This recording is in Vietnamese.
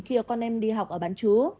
khi có con em đi học ở bán chú